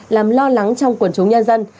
làm lo lắng trong quần chúng nhân dân